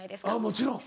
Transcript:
もちろん。